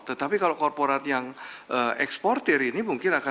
tetapi kalau korporat yang eksportir ini mungkin akan